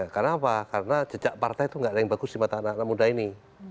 karena apa karena jejak partai itu tidak ada yang bagus di mata anak muda ini